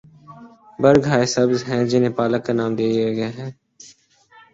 برگ ہائے سبز ہیں جنہیں پالک کا نام دے دیا گیا ہے۔